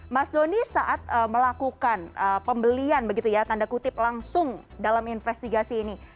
mas doni saat melakukan pembelian begitu ya tanda kutip langsung dalam investigasi ini